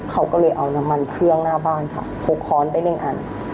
เขาก็เลยเอาน้ำมันเครื่องหน้าบ้านค่ะพกค้อนไปหนึ่งอัน